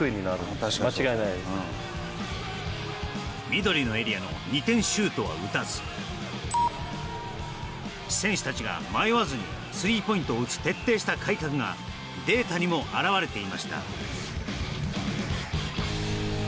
緑のエリアの２点シュートは打たず選手たちが迷わずにスリーポイントを打つ徹底した改革がデータにも表れていました。